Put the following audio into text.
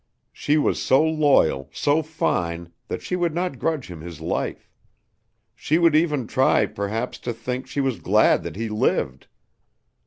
She was so loyal, so fine, that she would not grudge him his life. She would even try, perhaps, to think she was glad that he lived.